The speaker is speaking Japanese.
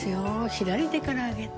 左手から上げて。